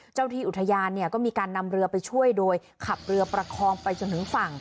ที่อุทยานเนี่ยก็มีการนำเรือไปช่วยโดยขับเรือประคองไปจนถึงฝั่ง